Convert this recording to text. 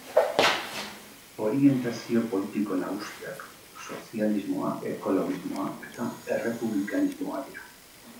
Orientazio politiko nagusiak sozialismoa, ekologismoa eta errepublikanismoa dira.